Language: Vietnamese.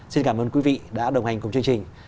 xin cảm ơn quý vị đã đồng hành cùng chương trình